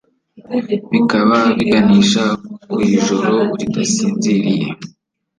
bikaba biganisha ku ijoro ridasinziriye,